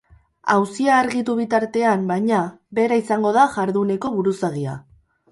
Auzia argitu bitartean, baina, bera izango da jarduneko buruzagia.